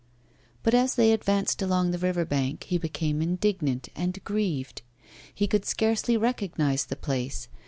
But as they advanced along the river bank, he became indignant and grieved. He could scarcely recognise the place.